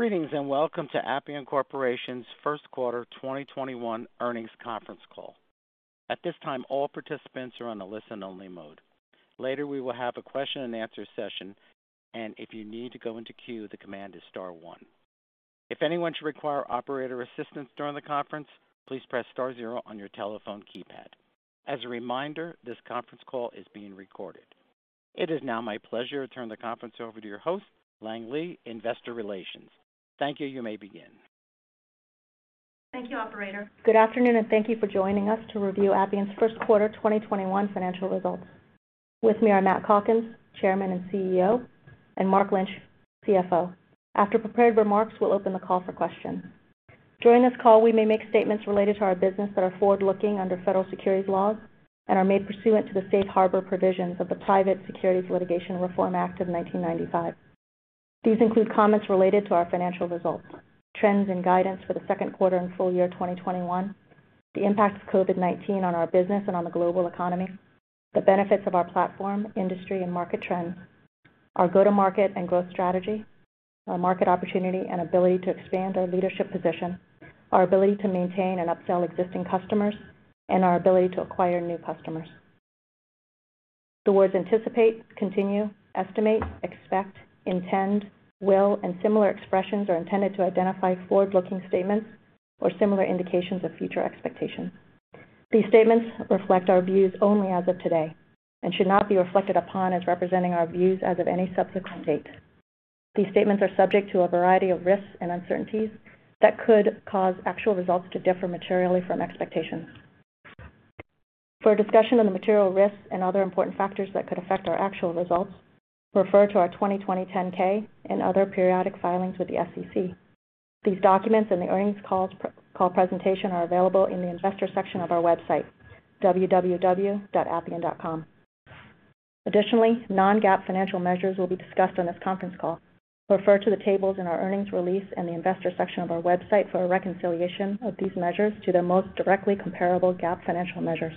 Greetings, and welcome to Appian Corporation's First Quarter 2021 Earnings Conference Call. At this time all participants are in a listen only mode. Later we'll have a question and answer session. If you need to go into the queue then command star one. If anyone should require operator assistance during the conference, please press star zero on your telephone keypad. As a reminder this conference call is being recorded. It is now my pleasure to turn the conference over to your host, Lang Ly, Investor Relations. Thank you. You may begin. Thank you, operator. Good afternoon, thank you for joining us to review Appian's first quarter 2021 financial results. With me are Matt Calkins, Chairman and CEO, and Mark Lynch, CFO. After prepared remarks, we'll open the call for questions. During this call, we may make statements related to our business that are forward-looking under federal securities laws and are made pursuant to the safe harbor provisions of the Private Securities Litigation Reform Act of 1995. These include comments related to our financial results, trends and guidance for the second quarter and full year 2021, the impact of COVID-19 on our business and on the global economy, the benefits of our platform, industry and market trends, our go-to-market and growth strategy, our market opportunity and ability to expand our leadership position, our ability to maintain and upsell existing customers, and our ability to acquire new customers. The words anticipate, continue, estimate, expect, intend, will, and similar expressions are intended to identify forward-looking statements or similar indications of future expectations. These statements reflect our views only as of today and should not be reflected upon as representing our views as of any subsequent date. These statements are subject to a variety of risks and uncertainties that could cause actual results to differ materially from expectations. For a discussion of the material risks and other important factors that could affect our actual results, refer to our 2020 10-K and other periodic filings with the SEC. These documents and the earnings call presentation are available in the investor section of our website, www.appian.com. Additionally, non-GAAP financial measures will be discussed on this conference call. Refer to the tables in our earnings release in the investor section of our website for a reconciliation of these measures to their most directly comparable GAAP financial measures.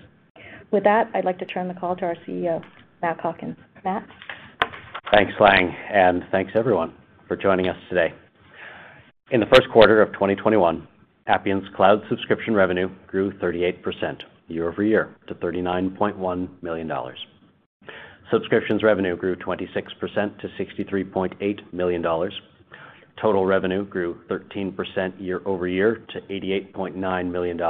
With that, I'd like to turn the call to our CEO, Matt Calkins. Matt? Thanks, Lang, and thanks everyone for joining us today. In the first quarter of 2021, Appian's cloud subscription revenue grew 38% year-over-year to $39.1 million. Subscriptions revenue grew 26% to $63.8 million. Total revenue grew 13% year-over-year to $88.9 million.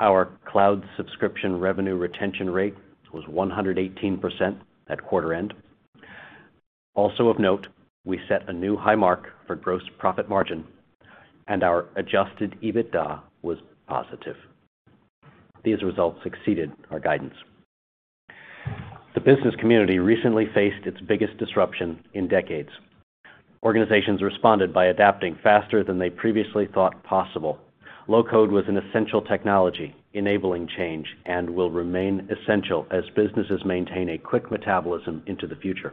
Our cloud subscription revenue retention rate was 118% at quarter end. Also of note, we set a new high mark for gross profit margin, and our adjusted EBITDA was positive. These results exceeded our guidance. The business community recently faced its biggest disruption in decades. Organizations responded by adapting faster than they previously thought possible. low-code was an essential technology enabling change and will remain essential as businesses maintain a quick metabolism into the future.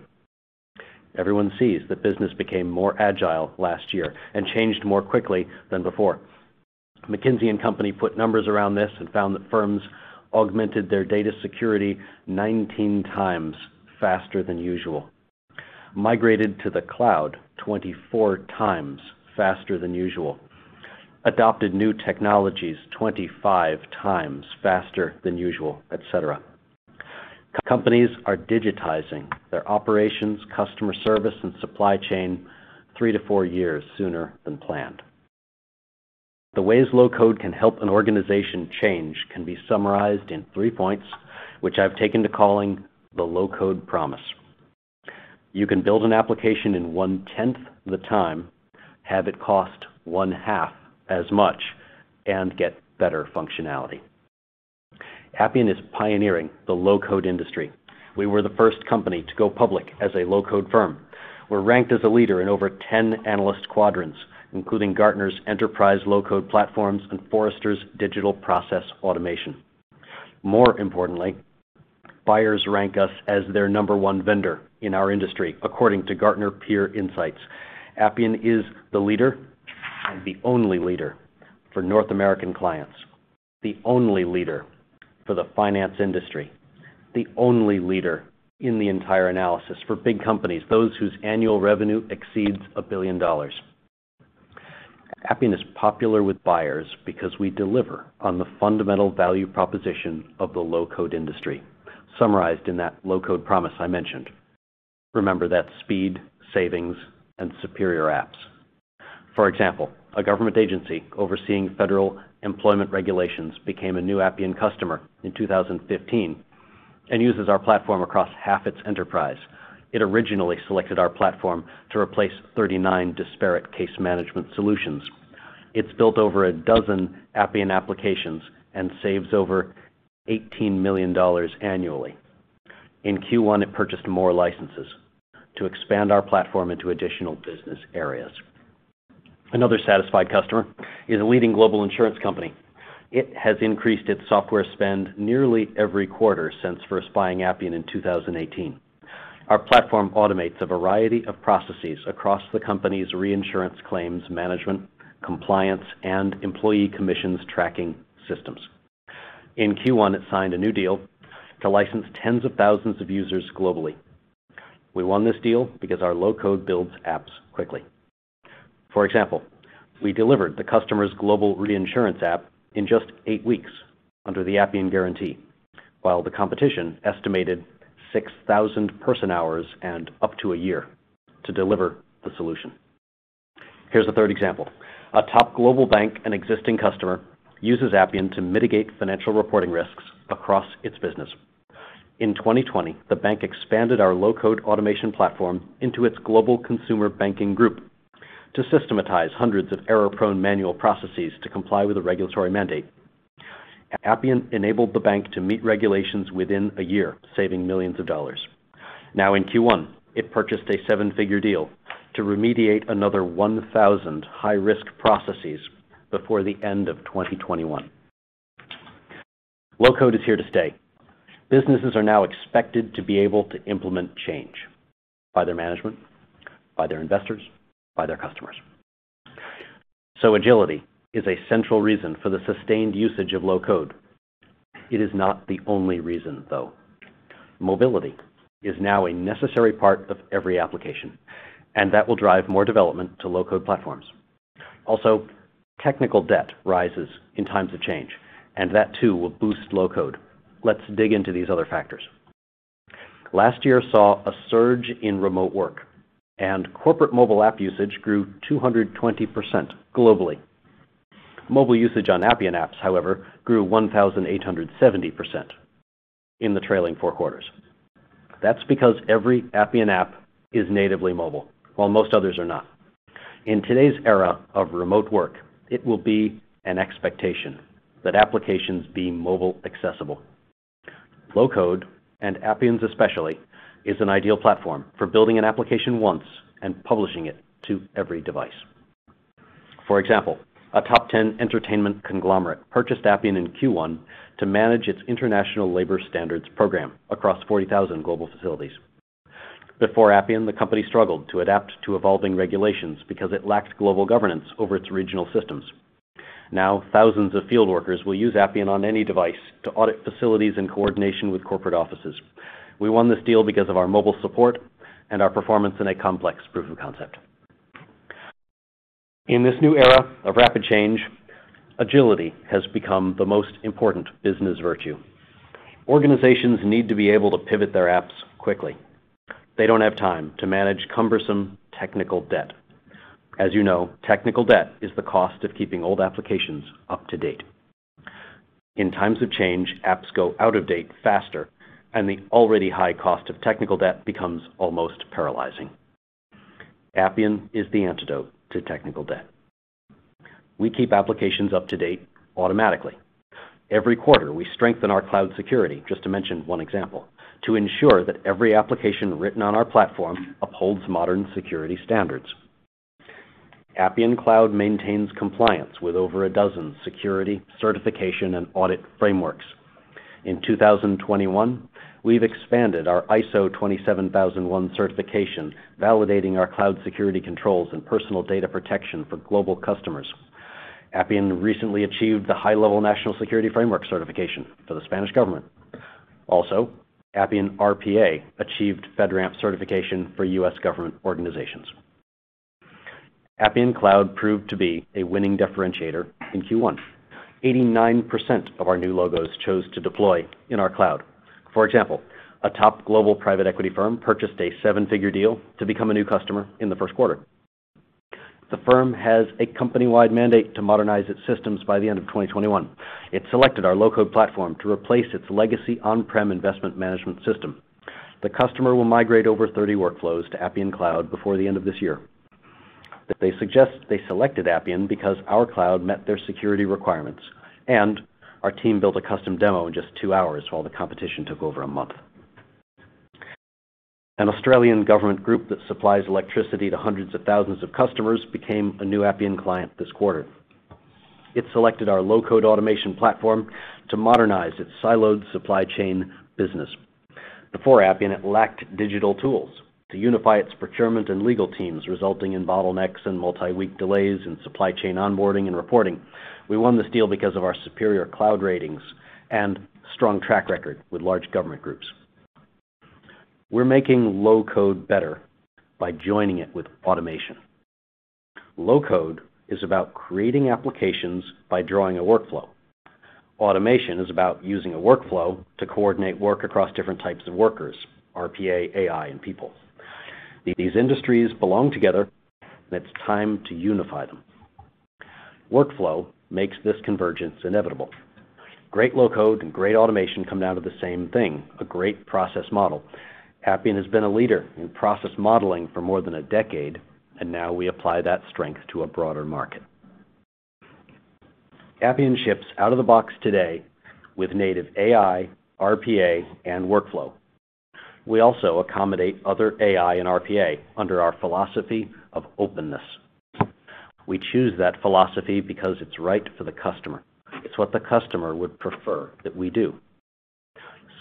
Everyone sees that business became more agile last year and changed more quickly than before. McKinsey & Company put numbers around this and found that firms augmented their data security 19x faster than usual, migrated to the cloud 24x faster than usual, adopted new technologies 25x faster than usual, et cetera. Companies are digitizing their operations, customer service, and supply chain three to four years sooner than planned. The ways low-code can help an organization change can be summarized in three points, which I've taken to calling the low-code promise. You can build an application in one-tenth the time, have it cost one-half as much, and get better functionality. Appian is pioneering the low-code industry. We were the first company to go public as a low-code firm. We're ranked as a leader in over 10 analyst quadrants, including Gartner's Enterprise Low-Code Platforms and Forrester's Digital Process Automation. More importantly, buyers rank us as their number one vendor in our industry, according to Gartner Peer Insights. Appian is the leader and the only leader for North American clients, the only leader for the finance industry, the only leader in the entire analysis for big companies, those whose annual revenue exceeds $1 billion. Appian is popular with buyers because we deliver on the fundamental value proposition of the low-code industry, summarized in that low-code promise I mentioned. Remember, that's speed, savings, and superior apps. For example, a government agency overseeing federal employment regulations became a new Appian customer in 2015 and uses our platform across half its enterprise. It originally selected our platform to replace 39 disparate case management solutions. It's built over a dozen Appian applications and saves over $18 million annually. In Q1, it purchased more licenses to expand our platform into additional business areas. Another satisfied customer is a leading global insurance company. It has increased its software spend nearly every quarter since first buying Appian in 2018. Our platform automates a variety of processes across the company's reinsurance claims management, compliance, and employee commissions tracking systems. In Q1, it signed a new deal to license tens of thousands of users globally. We won this deal because our low-code builds apps quickly. For example, we delivered the customer's global reinsurance app in just eight weeks under the Appian Guarantee. While the competition estimated 6,000 person hours and up to a year to deliver the solution. Here's a third example. A top global bank and existing customer uses Appian to mitigate financial reporting risks across its business. In 2020, the bank expanded our low-code automation platform into its global consumer banking group to systematize hundreds of error-prone manual processes to comply with a regulatory mandate. Appian enabled the bank to meet regulations within a year, saving millions of dollars. Now in Q1, it purchased a seven-figure deal to remediate another 1,000 high-risk processes before the end of 2021. low-code is here to stay. Businesses are now expected to be able to implement change by their management, by their investors, by their customers. Agility is a central reason for the sustained usage of low-code. It is not the only reason, though. Mobility is now a necessary part of every application, and that will drive more development to low-code platforms. Also, technical debt rises in times of change, and that too will boost low-code. Let's dig into these other factors. Last year saw a surge in remote work, and corporate mobile app usage grew 220% globally. Mobile usage on Appian apps, however, grew 1,870% in the trailing four quarters. That's because every Appian app is natively mobile, while most others are not. In today's era of remote work, it will be an expectation that applications be mobile accessible. Low-code and Appian's especially, is an ideal platform for building an application once and publishing it to every device. For example, a top 10 entertainment conglomerate purchased Appian in Q1 to manage its international labor standards program across 40,000 global facilities. Before Appian, the company struggled to adapt to evolving regulations because it lacked global governance over its regional systems. Now, thousands of field workers will use Appian on any device to audit facilities in coordination with corporate offices. We won this deal because of our mobile support and our performance in a complex proof of concept. In this new era of rapid change, agility has become the most important business virtue. Organizations need to be able to pivot their apps quickly. They don't have time to manage cumbersome technical debt. As you know, technical debt is the cost of keeping old applications up to date. In times of change, apps go out of date faster, and the already high cost of technical debt becomes almost paralyzing. Appian is the antidote to technical debt. We keep applications up to date automatically. Every quarter, we strengthen our cloud security, just to mention one example, to ensure that every application written on our platform upholds modern security standards. Appian Cloud maintains compliance with over a dozen security certification and audit frameworks. In 2021, we've expanded our ISO 27001 certification, validating our cloud security controls and personal data protection for global customers. Appian recently achieved the high-level National Security Framework certification for the Spanish government. Also, Appian RPA achieved FedRAMP certification for U.S. government organizations. Appian Cloud proved to be a winning differentiator in Q1. 89% of our new logos chose to deploy in our cloud. For example, a top global private equity firm purchased a seven-figure deal to become a new customer in the first quarter. The firm has a company-wide mandate to modernize its systems by the end of 2021. It selected our low-code platform to replace its legacy on-prem investment management system. The customer will migrate over 30 workflows to Appian Cloud before the end of this year. They selected Appian because our cloud met their security requirements, and our team built a custom demo in just two hours while the competition took over a month. An Australian government group that supplies electricity to hundreds of thousands of customers became a new Appian client this quarter. It selected our low-code automation platform to modernize its siloed supply chain business. Before Appian, it lacked digital tools to unify its procurement and legal teams, resulting in bottlenecks and multi-week delays in supply chain onboarding and reporting. We won this deal because of our superior cloud ratings and strong track record with large government groups. We're making low-code better by joining it with automation. Low-code is about creating applications by drawing a workflow. Automation is about using a workflow to coordinate work across different types of workers, RPA, AI, and people. These industries belong together, and it's time to unify them. Workflow makes this convergence inevitable. Great low-code and great automation come down to the same thing, a great process model. Appian has been a leader in process modeling for more than a decade, and now we apply that strength to a broader market. Appian ships out of the box today with native AI, RPA, and workflow. We also accommodate other AI and RPA under our philosophy of openness. We choose that philosophy because it's right for the customer. It's what the customer would prefer that we do.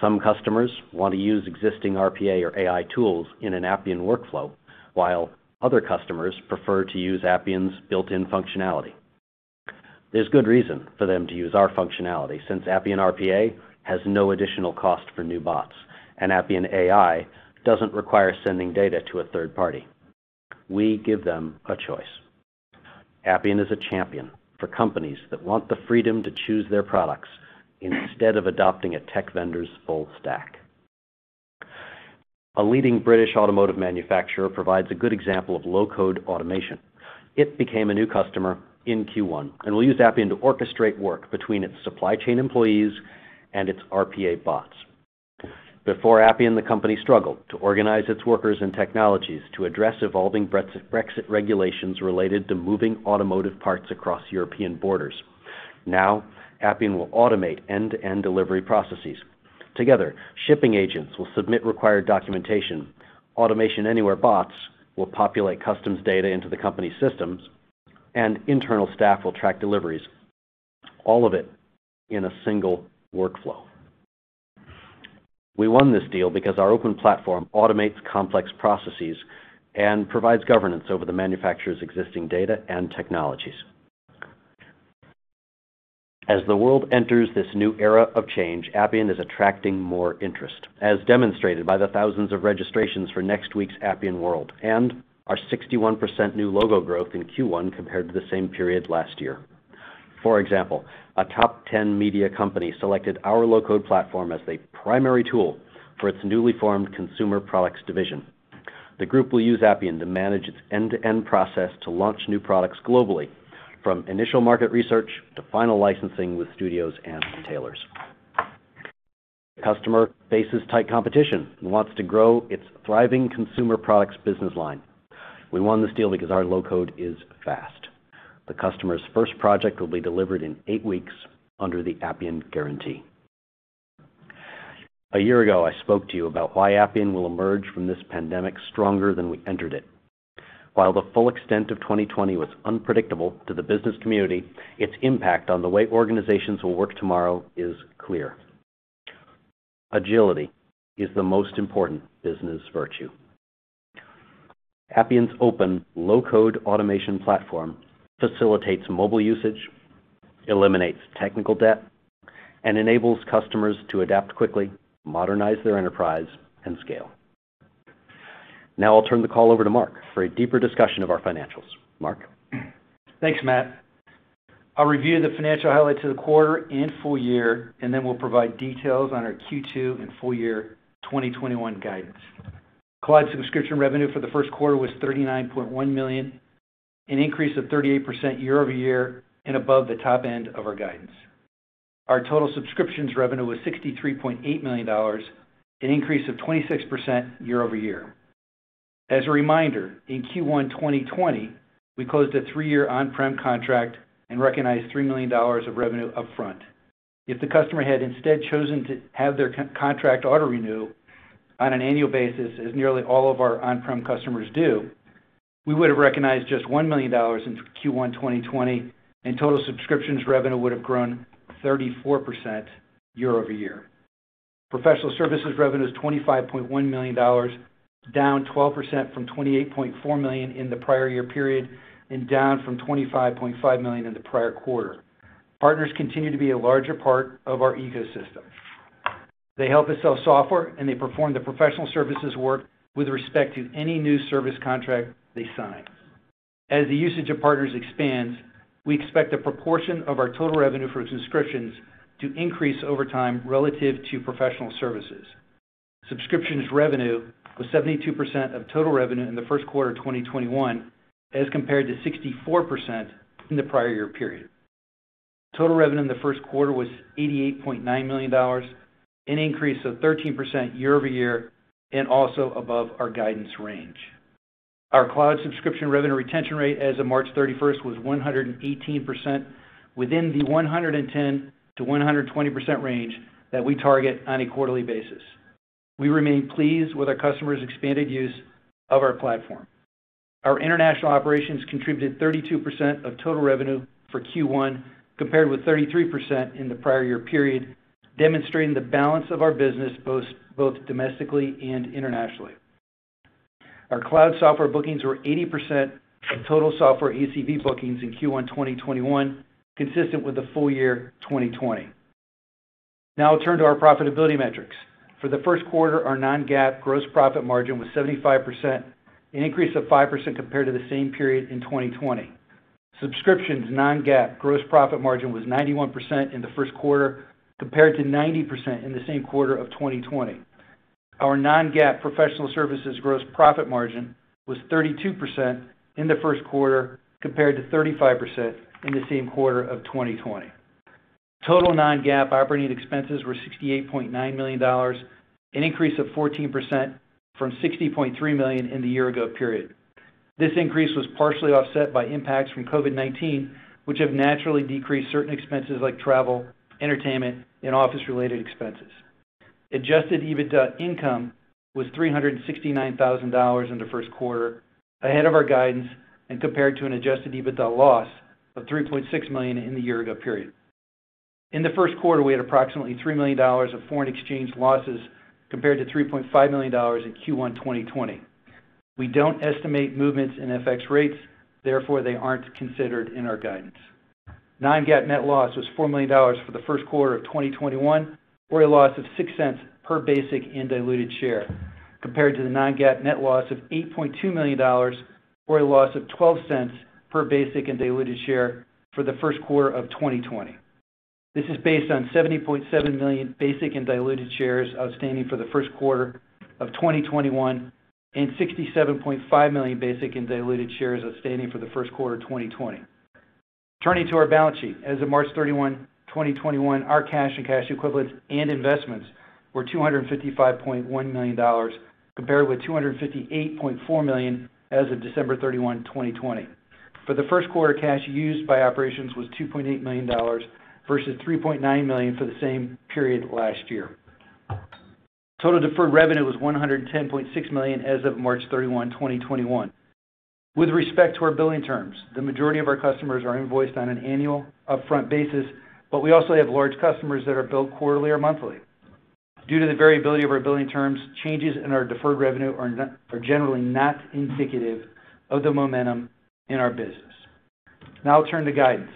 Some customers want to use existing RPA or AI tools in an Appian workflow, while other customers prefer to use Appian's built-in functionality. There's good reason for them to use our functionality, since Appian RPA has no additional cost for new bots, and Appian AI doesn't require sending data to a third party. We give them a choice. Appian is a champion for companies that want the freedom to choose their products instead of adopting a tech vendor's old stack. A leading British automotive manufacturer provides a good example of low-code automation. It became a new customer in Q1 and will use Appian to orchestrate work between its supply chain employees and its RPA bots. Before Appian, the company struggled to organize its workers and technologies to address evolving Brexit regulations related to moving automotive parts across European borders. Now, Appian will automate end-to-end delivery processes. Together, shipping agents will submit required documentation, Automation Anywhere bots will populate customs data into the company's systems, and internal staff will track deliveries, all of it in a single workflow. We won this deal because our open platform automates complex processes and provides governance over the manufacturer's existing data and technologies. As the world enters this new era of change, Appian is attracting more interest, as demonstrated by the thousands of registrations for next week's Appian World, and our 61% new logo growth in Q1 compared to the same period last year. For example, a top 10 media company selected our low-code platform as the primary tool for its newly formed consumer products division. The group will use Appian to manage its end-to-end process to launch new products globally, from initial market research to final licensing with studios and retailers. Customer faces tight competition and wants to grow its thriving consumer products business line. We won this deal because our low-code is fast. The customer's first project will be delivered in eight weeks under the Appian Guarantee. A year ago, I spoke to you about why Appian will emerge from this pandemic stronger than we entered it. While the full extent of 2020 was unpredictable to the business community, its impact on the way organizations will work tomorrow is clear. Agility is the most important business virtue. Appian's open low-code automation platform facilitates mobile usage, eliminates technical debt, and enables customers to adapt quickly, modernize their enterprise, and scale. Now I'll turn the call over to Mark for a deeper discussion of our financials. Mark? Thanks, Matt. I'll review the financial highlights of the quarter and full year. Then we'll provide details on our Q2 and full year 2021 guidance. Cloud subscription revenue for the first quarter was $39.1 million, an increase of 38% year-over-year, above the top end of our guidance. Our total subscriptions revenue was $63.8 million, an increase of 26% year-over-year. As a reminder, in Q1 2020, we closed a three-year on-prem contract and recognized $3 million of revenue upfront. If the customer had instead chosen to have their contract auto-renew on an annual basis, as nearly all of our on-prem customers do, we would have recognized just $1 million in Q1 2020. Total subscriptions revenue would have grown 34% year-over-year. Professional services revenue is $25.1 million, down 12% from $28.4 million in the prior year period, and down from $25.5 million in the prior quarter. Partners continue to be a larger part of our ecosystem. They help us sell software, and they perform the professional services work with respect to any new service contract they sign. As the usage of partners expands, we expect a proportion of our total revenue for subscriptions to increase over time relative to professional services. Subscriptions revenue was 72% of total revenue in the first quarter of 2021, as compared to 64% in the prior year period. Total revenue in the first quarter was $88.9 million, an increase of 13% year-over-year, and also above our guidance range. Our cloud subscription revenue retention rate as of March 31st was 118%, within the 110%-120% range that we target on a quarterly basis. We remain pleased with our customers' expanded use of our platform. Our international operations contributed 32% of total revenue for Q1, compared with 33% in the prior year period, demonstrating the balance of our business, both domestically and internationally. Our cloud software bookings were 80% of total software ACV bookings in Q1 2021, consistent with the full year 2020. I'll turn to our profitability metrics. For the first quarter, our non-GAAP gross profit margin was 75%, an increase of 5% compared to the same period in 2020. Subscriptions non-GAAP gross profit margin was 91% in the first quarter, compared to 90% in the same quarter of 2020. Our non-GAAP professional services gross profit margin was 32% in the first quarter, compared to 35% in the same quarter of 2020. Total non-GAAP operating expenses were $68.9 million, an increase of 14% from $60.3 million in the year ago period. This increase was partially offset by impacts from COVID-19, which have naturally decreased certain expenses like travel, entertainment, and office-related expenses. Adjusted EBITDA income was $369,000 in the first quarter, ahead of our guidance and compared to an adjusted EBITDA loss of $3.6 million in the year ago period. In the first quarter, we had approximately $3 million of foreign exchange losses compared to $3.5 million in Q1 2020. We don't estimate movements in FX rates, therefore they aren't considered in our guidance. Non-GAAP net loss was $4 million for the first quarter of 2021, or a loss of $0.06 per basic and diluted share, compared to the non-GAAP net loss of $8.2 million, or a loss of $0.12 per basic and diluted share for the first quarter of 2020. This is based on 70.7 million basic and diluted shares outstanding for the first quarter of 2021, and 67.5 million basic and diluted shares outstanding for the first quarter 2020. Turning to our balance sheet. As of March 31, 2021, our cash and cash equivalents and investments were $255.1 million, compared with $258.4 million as of December 31, 2020. For the first quarter, cash used by operations was $2.8 million versus $3.9 million for the same period last year. Total deferred revenue was $110.6 million as of March 31, 2021. With respect to our billing terms, the majority of our customers are invoiced on an annual upfront basis, but we also have large customers that are billed quarterly or monthly. Due to the variability of our billing terms, changes in our deferred revenue are generally not indicative of the momentum in our business. Now I'll turn to guidance.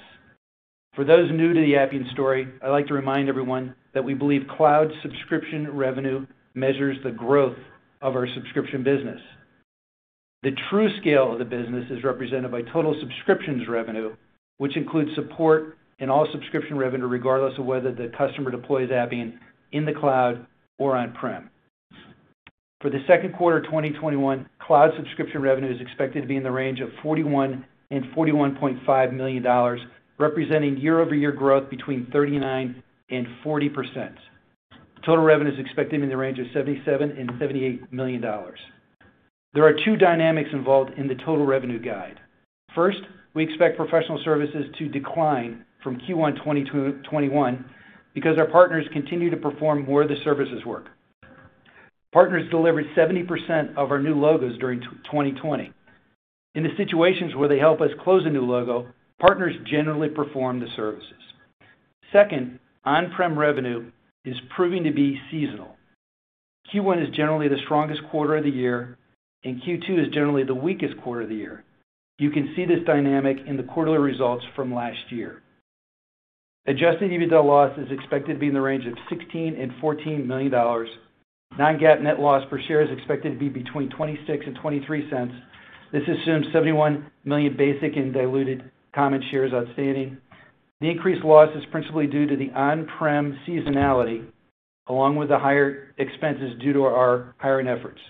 For those new to the Appian story, I'd like to remind everyone that we believe Cloud subscription revenue measures the growth of our subscription business. The true scale of the business is represented by total subscriptions revenue, which includes support and all subscription revenue, regardless of whether the customer deploys Appian in the cloud or on-prem. For the second quarter 2021, Cloud subscription revenue is expected to be in the range of $41 million and $41.5 million, representing year-over-year growth between 39% and 40%. Total revenue is expected to be in the range of $77 million and $78 million. There are two dynamics involved in the total revenue guide. First, we expect professional services to decline from Q1 2021 because our partners continue to perform more of the services work. Partners delivered 70% of our new logos during 2020. In the situations where they help us close a new logo, partners generally perform the services. Second, on-prem revenue is proving to be seasonal. Q1 is generally the strongest quarter of the year, and Q2 is generally the weakest quarter of the year. You can see this dynamic in the quarterly results from last year. Adjusted EBITDA loss is expected to be in the range of $16 million and $14 million. Non-GAAP net loss per share is expected to be between $0.26 and $0.23. This assumes 71 million basic and diluted common shares outstanding. The increased loss is principally due to the on-prem seasonality, along with the higher expenses due to our hiring efforts.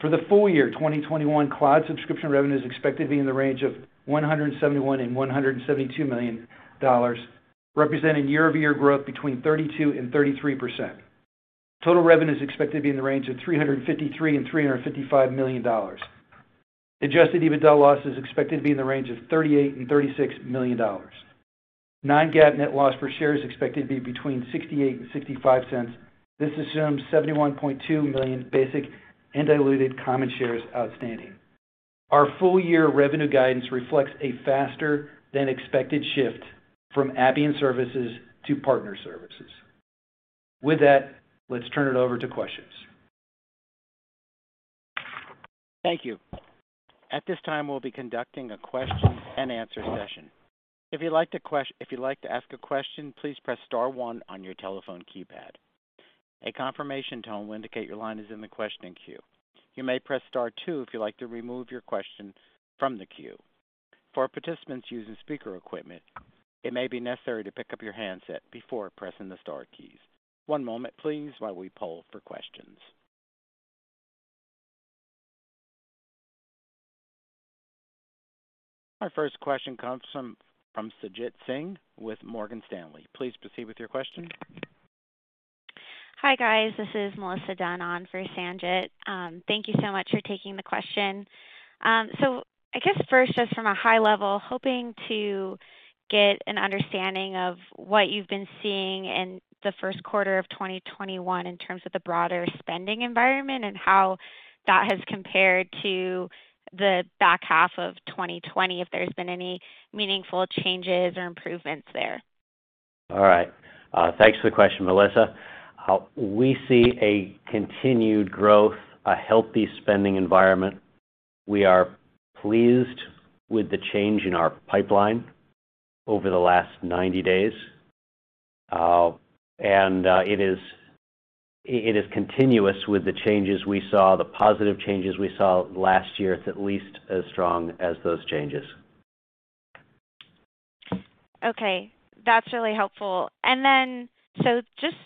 For the full year 2021, cloud subscription revenue is expected to be in the range of $171 million and $172 million, representing year-over-year growth between 32% and 33%. Total revenue is expected to be in the range of $353 million and $355 million. Adjusted EBITDA loss is expected to be in the range of $38 million and $36 million. non-GAAP net loss per share is expected to be between $0.68 and $0.65. This assumes 71.2 million basic and diluted common shares outstanding. Our full year revenue guidance reflects a faster than expected shift from Appian services to partner services. With that, let's turn it over to questions. Thank you. At this time we'll be conducting a question and answer session. If you would like to ask a question, please press star one on your telephone keypad. A confirmation tone will indicate your line is in the question queue. You may press star two, if you like to remove your question from the queue. For participants using speaker equipment, it maybe necessary to pick up your handset before pressing the star keys. One moment please while we poll for questions. Our first question comes from Sanjit Singh with Morgan Stanley. Please proceed with your question. Hi, guys. This is Melissa Dunn on for Sanjit. Thank you so much for taking the question. I guess first, just from a high level, hoping to get an understanding of what you've been seeing in the first quarter of 2021 in terms of the broader spending environment and how that has compared to the back half of 2020, if there's been any meaningful changes or improvements there. All right. Thanks for the question, Melissa. We see a continued growth, a healthy spending environment. We are pleased with the change in our pipeline over the last 90 days. It is continuous with the changes we saw, the positive changes we saw last year. It's at least as strong as those changes. Okay. That's really helpful. Just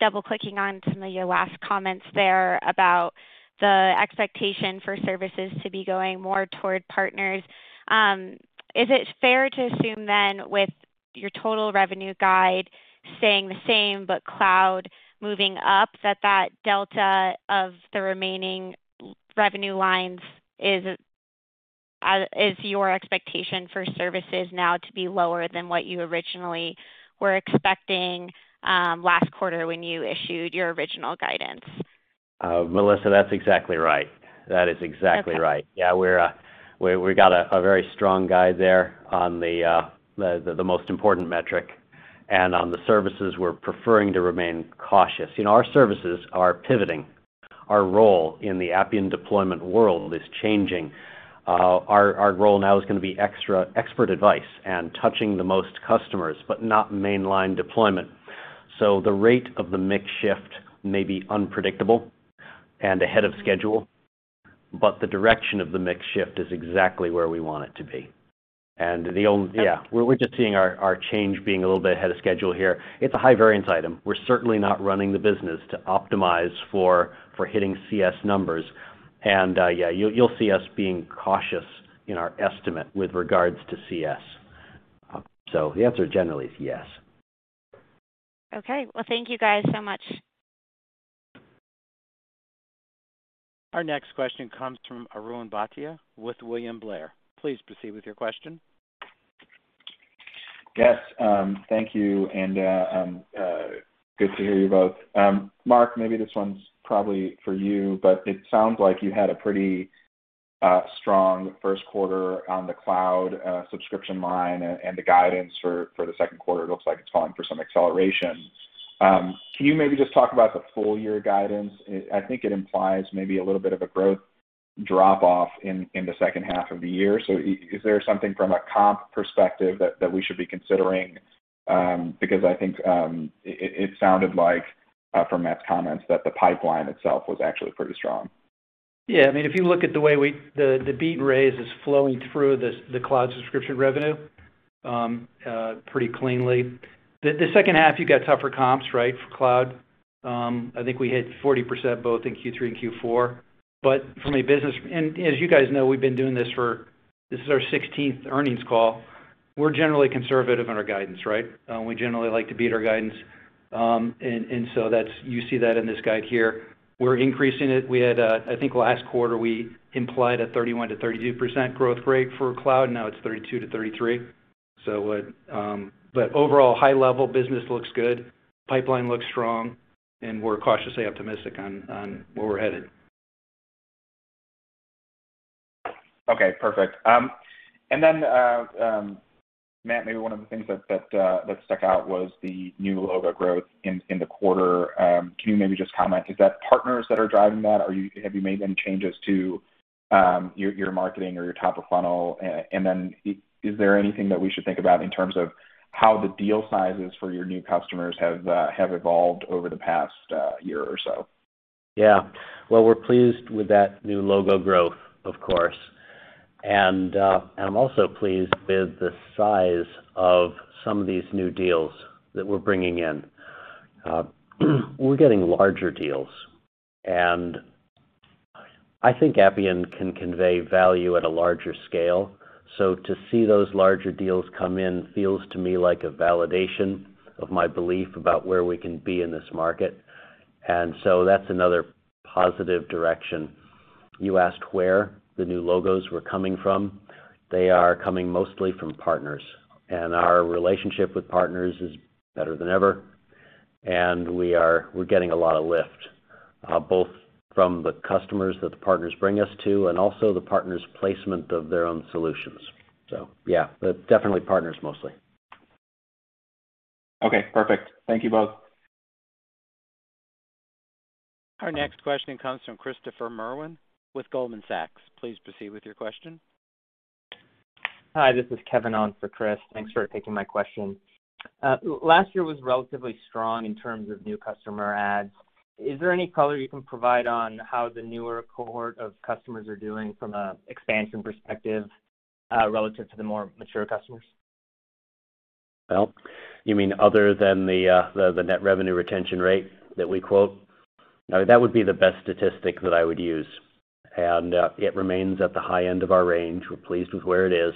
double-clicking on some of your last comments there about the expectation for services to be going more toward partners. Is it fair to assume with your total revenue guide staying the same but Cloud moving up, that that delta of the remaining revenue lines is your expectation for services now to be lower than what you originally were expecting last quarter when you issued your original guidance? Melissa, that's exactly right. That is exactly right. Yeah, we got a very strong guide there on the most important metric. On the services, we're preferring to remain cautious. Our services are pivoting. Our role in the Appian deployment world is changing. Our role now is going to be expert advice and touching the most customers, but not mainline deployment. The rate of the mix shift may be unpredictable and ahead of schedule, but the direction of the mix shift is exactly where we want it to be. Yeah, we're just seeing our change being a little bit ahead of schedule here. It's a high variance item. We're certainly not running the business to optimize for hitting CS numbers. Yeah, you'll see us being cautious in our estimate with regards to CS. The answer generally is yes. Okay. Well, thank you guys so much. Our next question comes from Arjun Bhatia with William Blair. Please proceed with your question. Yes, thank you, and good to hear you both. Mark, maybe this one's probably for you, but it sounds like you had a pretty strong first quarter on the cloud subscription line and the guidance for the second quarter looks like it's falling for some acceleration. Can you maybe just talk about the full-year guidance? I think it implies maybe a little bit of a growth drop off in the second half of the year. Is there something from a comp perspective that we should be considering? Because I think it sounded like, from Matt's comments, that the pipeline itself was actually pretty strong. If you look at the way the beat raise is flowing through the cloud subscription revenue, pretty cleanly. The second half, you've got tougher comps, right, for cloud. I think we hit 40% both in Q3 and Q4. As you guys know, we've been doing this for, this is our 16th earnings call. We're generally conservative on our guidance, right? We generally like to beat our guidance. You see that in this guide here. We're increasing it. I think last quarter, we implied a 31%-32% growth rate for cloud, now it's 32%-33%. Overall high level, business looks good, pipeline looks strong, and we're cautiously optimistic on where we're headed. Okay, perfect. Matt, maybe one of the things that stuck out was the new logo growth in the quarter. Can you maybe just comment, is that partners that are driving that? Have you made any changes to your marketing or your top of funnel? Is there anything that we should think about in terms of how the deal sizes for your new customers have evolved over the past year or so? Well, we're pleased with that new logo growth, of course. I'm also pleased with the size of some of these new deals that we're bringing in. We're getting larger deals, and I think Appian can convey value at a larger scale. To see those larger deals come in feels to me like a validation of my belief about where we can be in this market. That's another positive direction. You asked where the new logos were coming from. They are coming mostly from partners, and our relationship with partners is better than ever. We're getting a lot of lift, both from the customers that the partners bring us to and also the partners' placement of their own solutions. Yeah, but definitely partners mostly. Okay, perfect. Thank you both. Our next question comes from Christopher Merwin with Goldman Sachs. Please proceed with your question. Hi, this is Kevin on for Chris. Thanks for taking my question. Last year was relatively strong in terms of new customer adds. Is there any color you can provide on how the newer cohort of customers are doing from an expansion perspective, relative to the more mature customers? Well, you mean other than the net revenue retention rate that we quote? That would be the best statistic that I would use, and it remains at the high end of our range. We're pleased with where it is,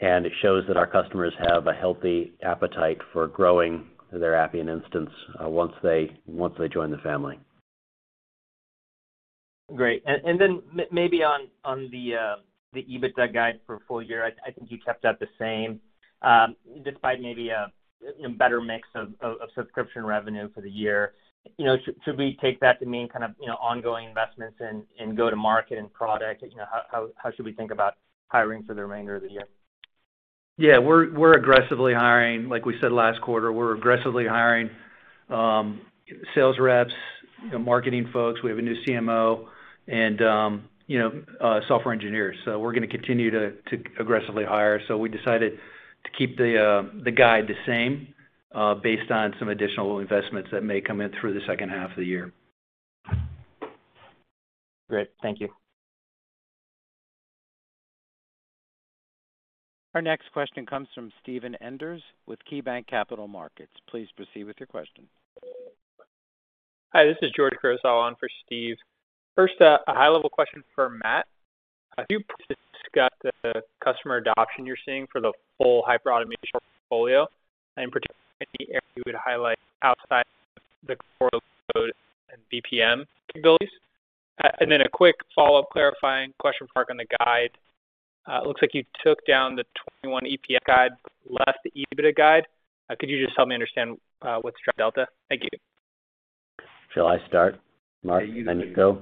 and it shows that our customers have a healthy appetite for growing their Appian instance, once they join the family. Great. Maybe on the EBITDA guide for full year, I think you kept that the same, despite maybe a better mix of subscription revenue for the year. Should we take that to mean kind of ongoing investments in go-to market and product? How should we think about hiring for the remainder of the year? Yeah, we're aggressively hiring, like we said last quarter, we're aggressively hiring sales reps, marketing folks, we have a new CMO, and software engineers. We're going to continue to aggressively hire. We decided to keep the guide the same, based on some additional investments that may come in through the second half of the year. Great. Thank you. Our next question comes from Steven Enders with KeyBanc Capital Markets. Please proceed with your question. Hi, this is George Crossan on for Steve. First, a high-level question for Matt. Have you got the customer adoption you're seeing for the full Hyperautomation portfolio? Particularly, if you would highlight outside the core low-code and BPM capabilities. A quick follow-up clarifying question, Mark, on the guide. It looks like you took down the 2021 EPS guide, left the EBITDA guide. Could you just help me understand what's the delta? Thank you. Shall I start, Mark? Yeah, you can. You go.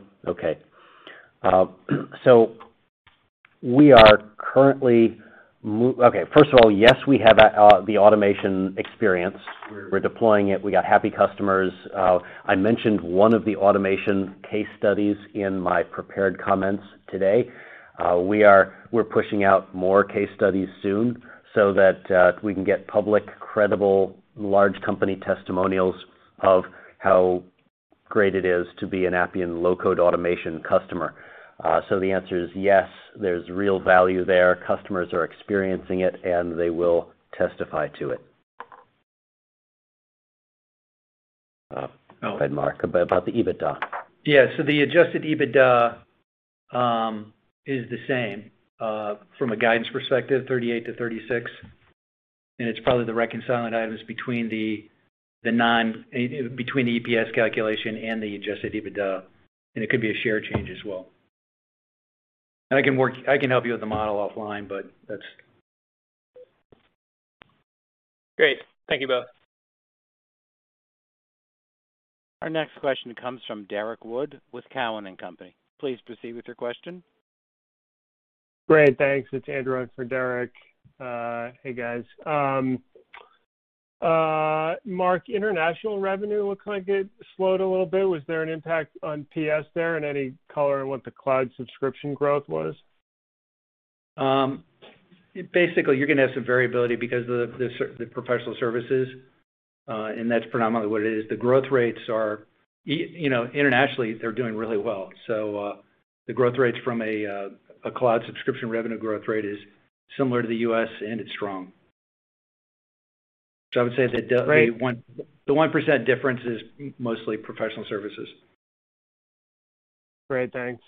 First of all, yes, we have the automation experience. We're deploying it. We got happy customers. I mentioned one of the automation case studies in my prepared comments today. We're pushing out more case studies soon so that we can get public, credible, large company testimonials of how great it is to be an Appian low-code automation customer. The answer is yes, there's real value there. Customers are experiencing it, and they will testify to it. Go ahead, Mark, about the EBITDA. Yeah. The adjusted EBITDA is the same, from a guidance perspective, $38 million to $36 million. It's probably the reconciling items between the EPS calculation and the adjusted EBITDA, and it could be a share change as well. I can help you with the model offline, but that's-- Great. Thank you both. Our next question comes from Derrick Wood with Cowen and Company. Please proceed with your question. Great. Thanks. It's Andrew in for Derrick. Hey, guys. Mark, international revenue looks like it slowed a little bit. Was there an impact on TS there, and any color on what the cloud subscription growth was? You're going to have some variability because of the professional services, and that's predominantly what it is. The growth rates are, internationally, they're doing really well. The growth rates from a cloud subscription revenue growth rate is similar to the U.S., and it's strong. I would say the 1% difference is mostly professional services. Great, thanks.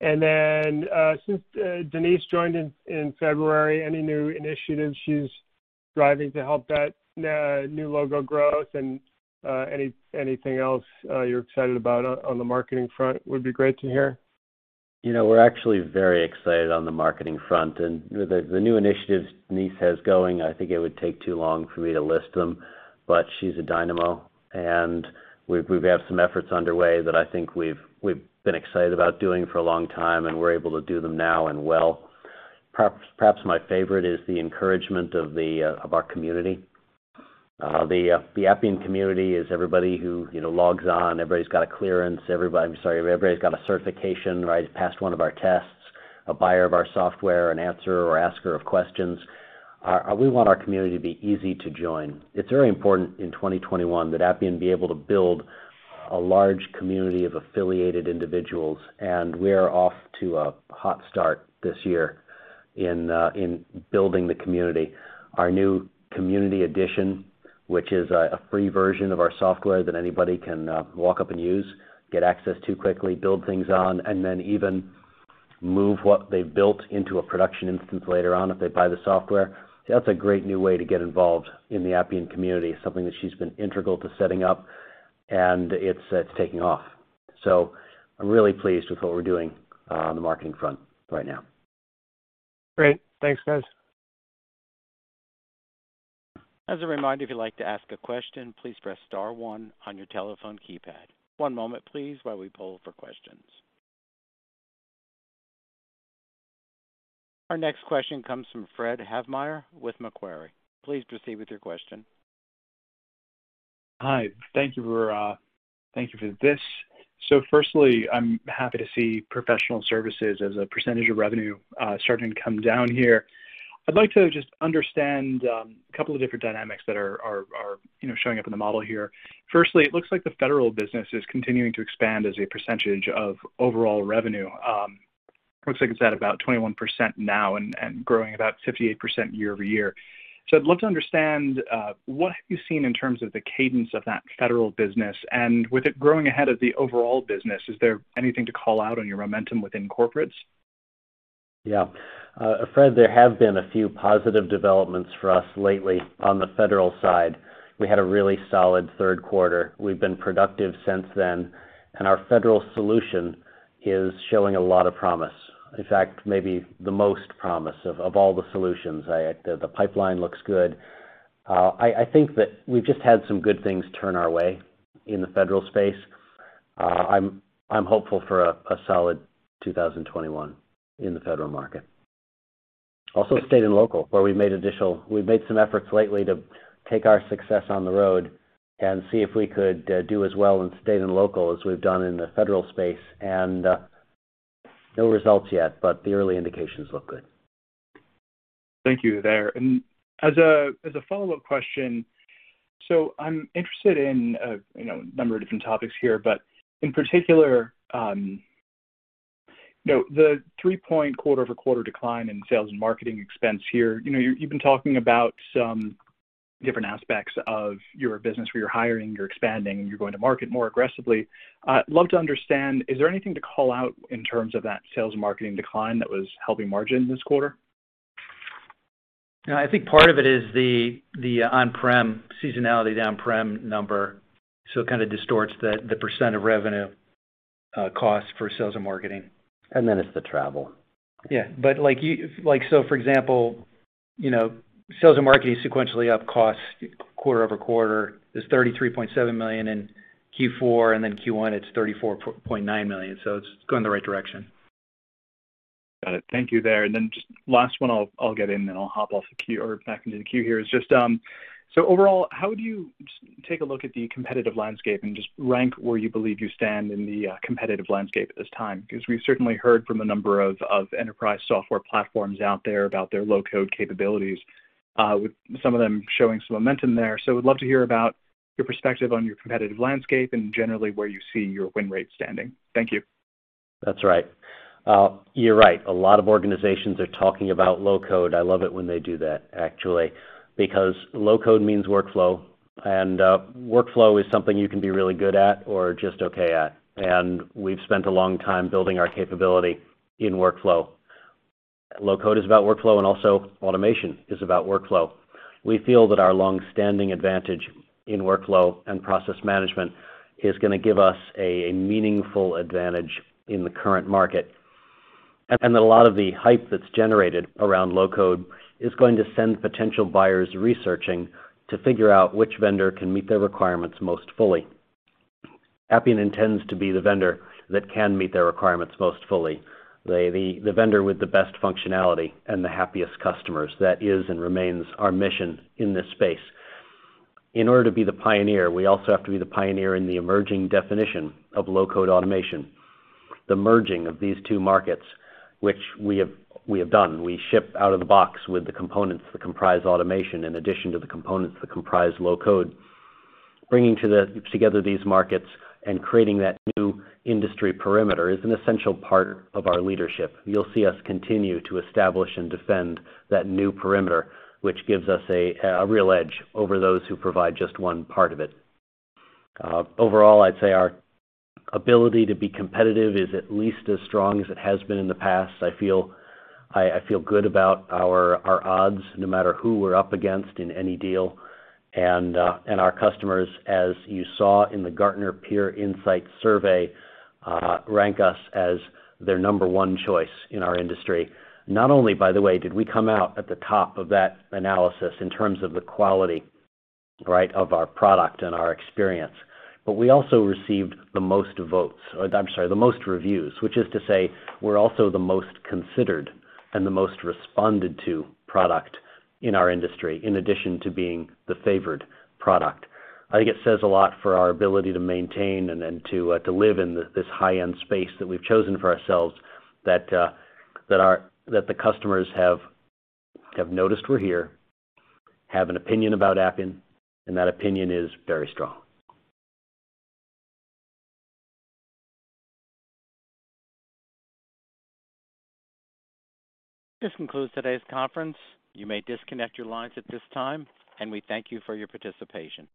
Since Denise joined in February, any new initiatives she's driving to help that new logo growth, and anything else you're excited about on the marketing front would be great to hear? We're actually very excited on the marketing front. The new initiatives Denise has going, I think it would take too long for me to list them, but she's a dynamo, and we have some efforts underway that I think we've been excited about doing for a long time, and we're able to do them now and well. Perhaps my favorite is the encouragement of our community. The Appian community is everybody who logs on. Everybody's got a clearance. I'm sorry, everybody's got a certification, right? Has passed one of our tests, a buyer of our software, an answer or asker of questions. We want our community to be easy to join. It's very important in 2021 that Appian be able to build a large community of affiliated individuals, and we're off to a hot start this year in building the community. Our new Community Edition, which is a free version of our software that anybody can walk up and use, get access to quickly, build things on, and then even move what they've built into a production instance later on if they buy the software. That's a great new way to get involved in the Appian Community, something that she's been integral to setting up, and it's taking off. I'm really pleased with what we're doing on the marketing front right now. Great. Thanks, guys. As a reminder, if you'd like to ask a question, please press star one on your telephone keypad. One moment, please, while we poll for questions. Our next question comes from Fred Havemeyer with Macquarie. Please proceed with your question. Hi. Thank you for this. Firstly, I'm happy to see professional services as a percentage of revenue starting to come down here. I'd like to just understand a couple of different dynamics that are showing up in the model here. Firstly, it looks like the federal business is continuing to expand as a percentage of overall revenue. Looks like it's at about 21% now and growing about 58% year-over-year. I'd love to understand, what have you seen in terms of the cadence of that federal business, and with it growing ahead of the overall business, is there anything to call out on your momentum within corporates? Yeah. Fred, there have been a few positive developments for us lately on the federal side. We had a really solid third quarter. We've been productive since then, and our federal solution is showing a lot of promise. In fact, maybe the most promise of all the solutions. The pipeline looks good. I think that we've just had some good things turn our way in the federal space. I'm hopeful for a solid 2021 in the federal market. Also state and local, where we've made some efforts lately to take our success on the road and see if we could do as well in state and local as we've done in the federal space, and no results yet, but the early indications look good. Thank you there. As a follow-up question, I'm interested in a number of different topics here, but in particular, the 3 point quarter-over-quarter decline in sales and marketing expense here. You've been talking about some different aspects of your business, where you're hiring, you're expanding, and you're going to market more aggressively. I'd love to understand, is there anything to call out in terms of that sales and marketing decline that was helping margin this quarter? I think part of it is the seasonality of the on-prem number, so it kind of distorts the percent of revenue cost for sales and marketing. Then it's the travel. For example, sales and marketing sequentially up costs quarter-over-quarter is $33.7 million in Q4. Q1, it's $34.9 million. It's going the right direction. Got it. Thank you there. Just last one I'll get in, then I'll hop off the queue or back into the queue here. Overall, how would you take a look at the competitive landscape and just rank where you believe you stand in the competitive landscape at this time? We've certainly heard from a number of enterprise software platforms out there about their low-code capabilities, with some of them showing some momentum there. Would love to hear about your perspective on your competitive landscape and generally where you see your win rate standing. Thank you. That's right. You're right. A lot of organizations are talking about low-code. I love it when they do that, actually, because low-code means workflow, and workflow is something you can be really good at or just okay at. We've spent a long time building our capability in workflow. Low-code is about workflow, and also automation is about workflow. We feel that our longstanding advantage in workflow and process management is going to give us a meaningful advantage in the current market. That a lot of the hype that's generated around low-code is going to send potential buyers researching to figure out which vendor can meet their requirements most fully. Appian intends to be the vendor that can meet their requirements most fully, the vendor with the best functionality and the happiest customers. That is and remains our mission in this space. In order to be the pioneer, we also have to be the pioneer in the emerging definition of low-code automation, the merging of these two markets, which we have done. We ship out of the box with the components that comprise automation, in addition to the components that comprise low-code. Bringing together these markets and creating that new industry perimeter is an essential part of our leadership. You'll see us continue to establish and defend that new perimeter, which gives us a real edge over those who provide just one part of it. Overall, I'd say our ability to be competitive is at least as strong as it has been in the past. I feel good about our odds, no matter who we're up against in any deal. Our customers, as you saw in the Gartner Peer Insights survey, rank us as their number one choice in our industry. Not only, by the way, did we come out at the top of that analysis in terms of the quality of our product and our experience, but we also received the most votes, or I'm sorry, the most reviews, which is to say we're also the most considered and the most responded to product in our industry, in addition to being the favored product. I think it says a lot for our ability to maintain and then to live in this high-end space that we've chosen for ourselves, that the customers have noticed we're here, have an opinion about Appian, and that opinion is very strong. This concludes today's conference. You may disconnect your lines at this time, and we thank you for your participation.